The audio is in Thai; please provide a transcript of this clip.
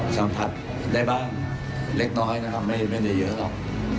สัมผัสได้บ้างเล็กน้อยนะครับไม่ได้เยอะหรอก